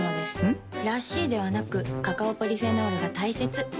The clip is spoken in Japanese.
ん？らしいではなくカカオポリフェノールが大切なんです。